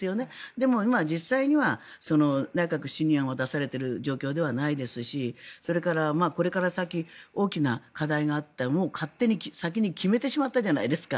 でも、今実際には内閣不信任案を出されている状況ではないですしそれから、これから先大きな課題があっても勝手に先に決めてしまったじゃないですか。